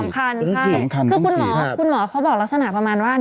สำคัญคุณหมอเขาบอกลักษณะประมาณว่า